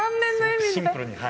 シンプルに。